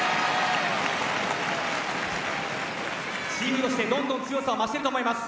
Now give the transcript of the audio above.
チームとして、どんどん強さを増していると思います。